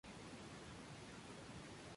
Representan sonidos o pronunciaciones.